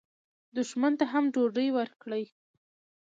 دښمن ته هم ډوډۍ ورکړئ